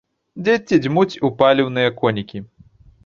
Дзеці дзьмуць у паліўныя конікі.